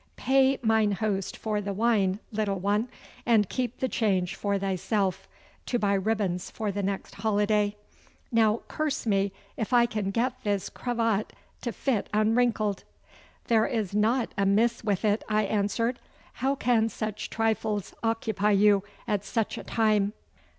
Pay mine host for the wine, little one, and keep the change for thyself, to buy ribbons for the next holiday. Now, curse me if I can get this cravat to fit unwrinkled!' 'There is nought amiss with it,' I answered. 'How can such trifles occupy you at such a time?